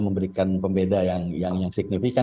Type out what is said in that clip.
memberikan pembeda yang yang yang signifikan